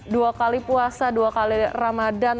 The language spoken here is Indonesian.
dua kali puasa dua kali ramadhan